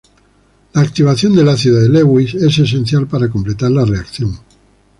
La activación del ácido de Lewis es esencial para completar la reacción.